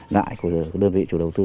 nại của đơn vị chủ đầu tư